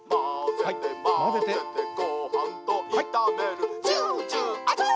まぜてまぜてごはんといためるジュジュアチョー！